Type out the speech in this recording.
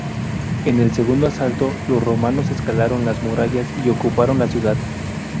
En el segundo asalto los romanos escalaron las murallas y ocuparon la ciudad.